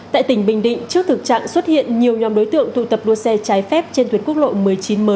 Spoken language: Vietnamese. tại tỉnh bình định trước thực trạng xuất hiện nhiều nhóm đối tượng tụ tập đua xe trái phép trên tuyến quốc lộ một mươi chín mới